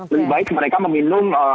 lebih baik mereka meminum